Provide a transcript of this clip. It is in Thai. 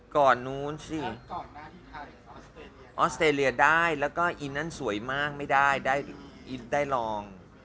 ก่อนนู้นสิออสเตรเลียได้แล้วก็อินนั้นสวยมากไม่ได้ได้ลอง